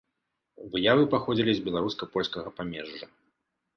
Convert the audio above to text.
Выявы паходзілі з беларуска-польскага памежжа.